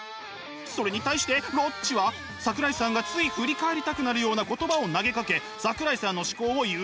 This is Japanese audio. それに対してロッチは桜井さんがつい振り返りたくなるような言葉を投げかけ桜井さんの思考を誘惑します。